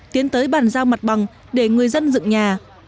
tiến tới bàn giao mặt bằng để người dân dựng nhà